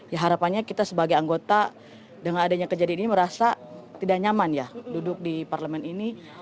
ya harapannya kita sebagai anggota dengan adanya kejadian ini merasa tidak nyaman ya duduk di parlemen ini